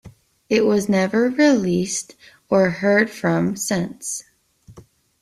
It was never released or heard from since.